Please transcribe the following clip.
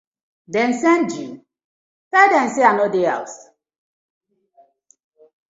Dem send you? tell dem say I no dey house.